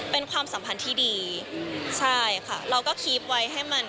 ไม่ได้สำคัญว่าจะต้องเป็นแฟนหรือเปล่า